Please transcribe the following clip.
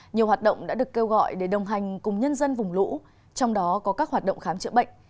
nhiều hoạt động đã được kêu gọi để đồng hành cùng nhân dân vùng lũ trong đó có các hoạt động khám chữa bệnh